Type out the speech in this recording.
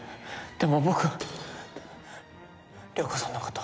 でも僕涼子さんのこと。